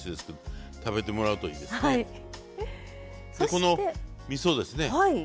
このみそですね